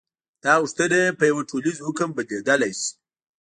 دا غوښتنه په یوه ټولیز حکم بدلېدلی شي.